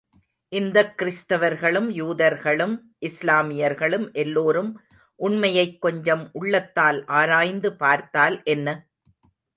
இந்தக் கிறிஸ்தவர்களும், யூதர்களும், இஸ்லாமியர்களும் எல்லோரும் உண்மையைக் கொஞ்சம் உள்ளத்தால் ஆராய்ந்து பார்த்தால் என்ன?